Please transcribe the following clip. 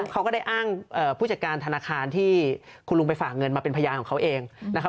เขาก็ได้อ้างผู้จัดการธนาคารที่คุณลุงไปฝากเงินมาเป็นพยานของเขาเองนะครับ